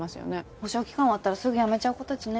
保証期間終わったらすぐ辞めちゃう子たちね。